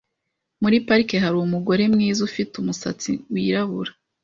Muri parike hari umugore mwiza ufite umusatsi wirabura.